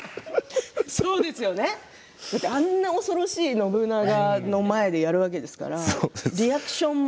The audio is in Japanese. そうですよねあんな恐ろしい信長の前でやるわけですからリアクションも。